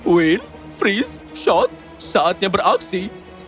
uin freeze shot saatnya beraksi